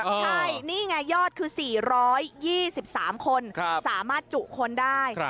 ใช่นี่ไงยอดคือ๔๒๓คนสามารถจุคนได้